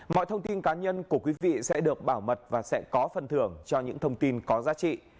mọi thông tin cá nhân của quý vị sẽ được bảo mật và sẽ có phần thưởng cho những thông tin có giá trị